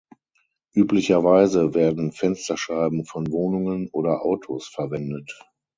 Üblicherweise werden Fensterscheiben von Wohnungen oder Autos verwendet.